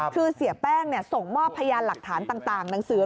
คือเสียแป้งส่งมอบพยานหลักฐานต่างหนังสือ